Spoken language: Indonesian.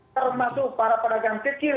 termasuk para penagang kecil